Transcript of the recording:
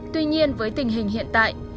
tuy nhiên với tình hình hiện tại